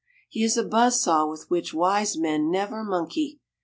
He is a buzz saw with which wise men never monkey.